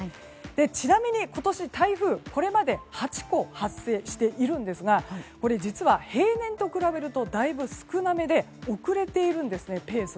ちなみに今年、台風がこれまでに８個発生しているんですが実は平年と比べるとだいぶ少なめでペースが遅れています。